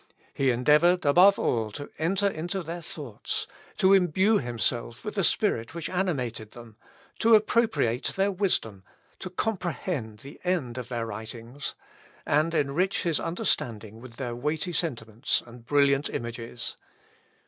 He endeavoured, above all, to enter into their thoughts; to imbue himself with the spirit which animated them; to appropriate their wisdom; to comprehend the end of their writings; and enrich his understanding with their weighty sentiments and brilliant images.